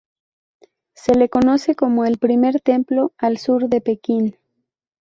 Se le conoce como el "primer templo al sur de Pekín".